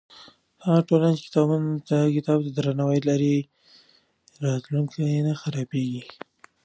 هغه ټولنه چې کتاب ته درناوی لري، راتلونکی یې نه خرابېږي.